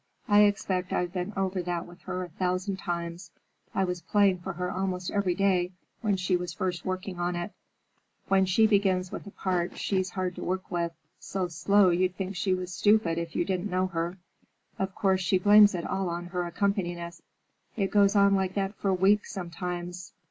I expect I've been over that with her a thousand times. I was playing for her almost every day when she was first working on it. When she begins with a part she's hard to work with: so slow you'd think she was stupid if you didn't know her. Of course she blames it all on her accompanist. It goes on like that for weeks sometimes.